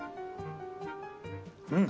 うん。